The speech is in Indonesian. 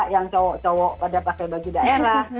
yang cowok cowok pada pakai baju daerah